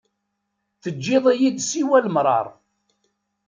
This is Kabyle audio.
Teǧǧiḍ-iyi-d siwa lemṛaṛ.